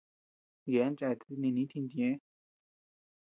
Yeabean cheate dininii itintu ñëʼe.